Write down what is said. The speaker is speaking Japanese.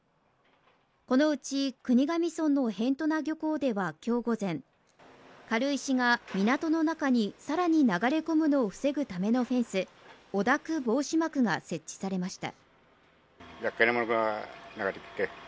このうち国頭村の辺土名漁港では今日午前、軽石が港の中に更に流れ込むのを防ぐためのフェンス、汚濁防止膜が設置されました。